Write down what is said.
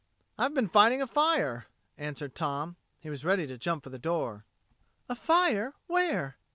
"I've been fighting a fire," answered Tom. He was ready to jump for the door. "A fire! Where?"